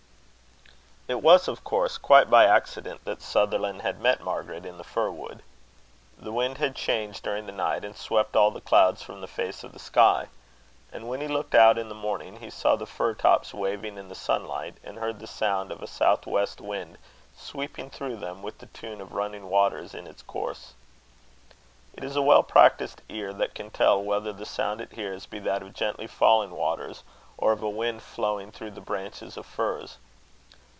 It was, of course, quite by accident that Sutherland had met Margaret in the fir wood. The wind had changed during the night, and swept all the clouds from the face of the sky; and when he looked out in the morning, he saw the fir tops waving in the sunlight, and heard the sound of a south west wind sweeping through them with the tune of running waters in its course. It is a well practised ear that can tell whether the sound it hears be that of gently falling waters, or of wind flowing through the branches of firs.